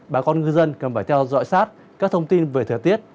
bà con ngư dân cần phải theo dõi sát các thông tin về thời tiết